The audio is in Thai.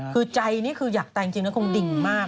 คือใจนี่คืออยากตายจริงแล้วคงดิ่งมาก